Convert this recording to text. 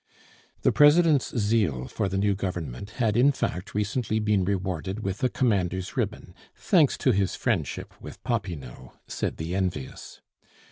The President's zeal for the new Government had, in fact, recently been rewarded with a commander's ribbon thanks to his friendship with Popinot, said the envious.